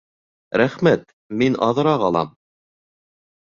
Рәхмәт, мин аҙыраҡ алам